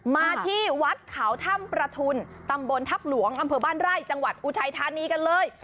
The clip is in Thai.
มาที่วัดเขาถ้ำประทุนตำบลทัพหลวงอำเภอบ้านไร่จังหวัดอุทัยธานีกันเลย